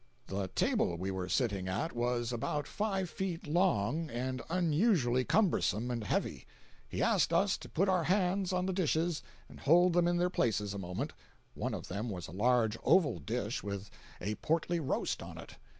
The table we were sitting at was about five feet long, and unusually cumbersome and heavy. He asked us to put our hands on the dishes and hold them in their places a moment—one of them was a large oval dish with a portly roast on it.